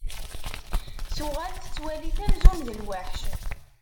Tuɣal tettwali-t amzun d lweḥc.